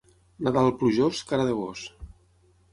Nadal plujós, cara de gos.